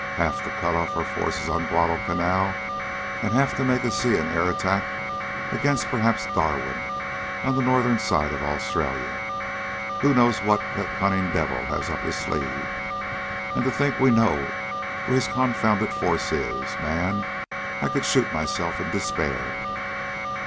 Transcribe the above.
Half to cut off our forces on Guadalcanal, and half to make a sea and air attack against perhaps Darwin on the northern side of Australia. Who knows what that cunning devil has up his sleeve? And to think we know where his confounded force is! Man! I could shoot myself in despair!"